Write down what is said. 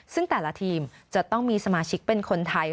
ซึ่งแต่ละทีมจะต้องมีสมาชิกเป็นคนไทย